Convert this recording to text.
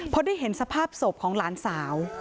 พอได้เห็นสภาพศพของหลานสาว